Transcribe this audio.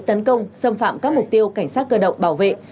tấn công xâm phạm các mục tiêu cảnh sát cơ động bảo vệ